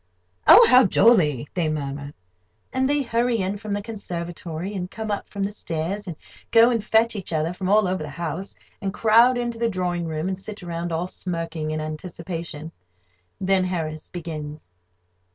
"Oh, how jolly!" they murmur; and they hurry in from the conservatory, and come up from the stairs, and go and fetch each other from all over the house, and crowd into the drawing room, and sit round, all smirking in anticipation. Then Harris begins.